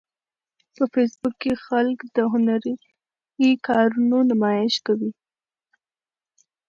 په فېسبوک کې خلک د هنري کارونو نمایش کوي